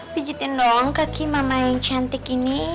pijitin dong kaki mama yang cantik ini